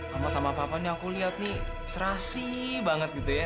mama sama papa nih aku liat nih serasi banget gitu ya